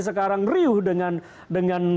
sekarang riuh dengan